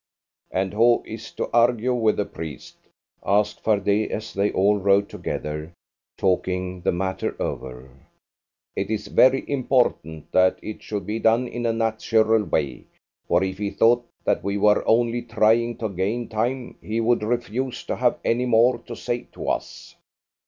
"And who is to argue with the priest?" asked Fardet, as they all rode together, talking the matter over. "It is very important that it should be done in a natural way, for if he thought that we were only trying to gain time, he would refuse to have any more to say to us."